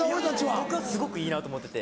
僕はすごくいいなと思ってて。